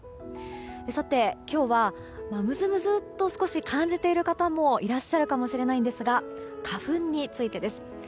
今日はムズムズっと少し感じている方もいらっしゃるかもしれないんですが花粉についてです。